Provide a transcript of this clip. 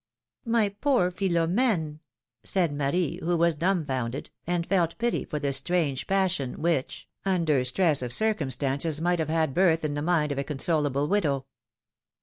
" My poor Philomene !" said Marie, who was dumb founded, and felt pity for this strange passion, which, under stress of circumstances, might have had birth in the mind of a consolable widow.